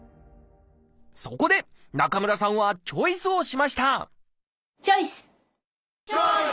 そこで中村さんはチョイスをしましたチョイス！